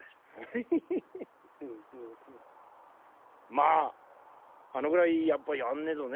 まああのぐらいやっぱやんねえとね。